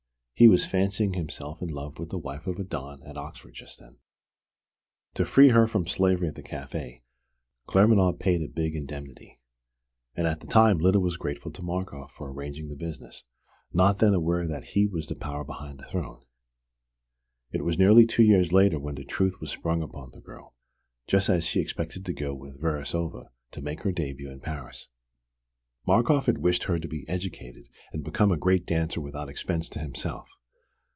He was fancying himself in love with the wife of a Don at Oxford just then! To free her from slavery at the café, Claremanagh paid a big indemnity; and at the time Lyda was grateful to Markoff for arranging the business, not then aware that he was the power behind the throne. It was nearly two years later when the truth was sprung upon the girl, just as she expected to go with Verasova to make her début in Paris. Markoff had wished her to be educated and become a great dancer without expense to himself.